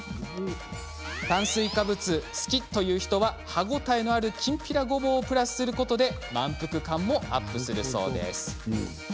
炭水化物好きという人は歯応えのあるきんぴらごぼうをプラスすることで満腹感もアップするそうです。